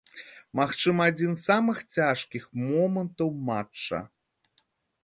Магчыма, адзін з самых цяжкіх момантаў матча.